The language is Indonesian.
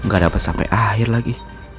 gak dapet sampe akhir lagi